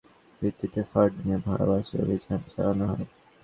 তাঁদের কাছ থেকে পাওয়া তথ্যের ভিত্তিতে ফারদিনের ভাড়া বাসায় অভিযান চালানো হয়।